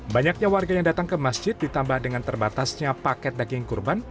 banyaknya warga yang datang ke masjid ditambah dengan terbatasnya paket daging kurban